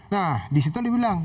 nah disitu dia bilang